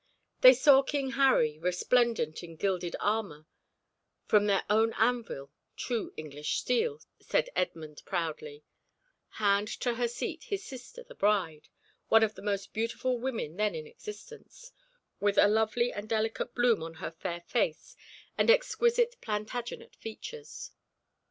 They saw King Harry, resplendent in gilded armour—"from their own anvil, true English steel," said Edmund, proudly—hand to her seat his sister the bride, one of the most beautiful women then in existence, with a lovely and delicate bloom on her fair face and exquisite Plantagenet features.